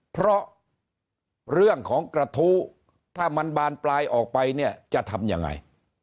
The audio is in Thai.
เพราะเรื่องของกระทู้ถ้ามันบานปลายออกไปเนี่ยจะทำยังไง